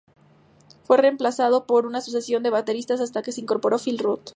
Fue reemplazado por una sucesión de bateristas hasta que se incorporó Phil Rudd.